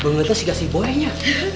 bangetan si kasih boya nya